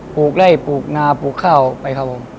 ลูกไล่ปลูกนาปลูกข้าวไปครับผม